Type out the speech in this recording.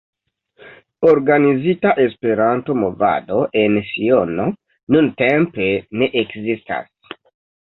Organizita Esperanto-movado en Siono nuntempe ne ekzistas.